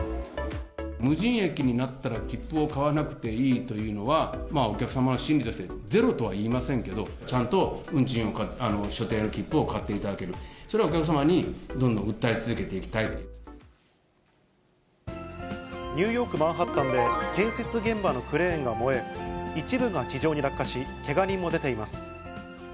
無人駅になったら切符を買わなくていいというのは、お客様の心理としてゼロとは言いませんけど、ちゃんと運賃を、所定の切符を買っていただける、それはお客様にどんどん訴え続けニューヨーク・マンハッタンで建設現場のクレーンが燃え、一部が地上に落下しけが人も出ています。